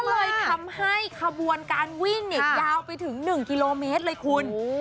ก็เลยทำให้ขบวนการวิ่งเนี่ยยาวไปถึง๑กิโลเมตรเลยคุณ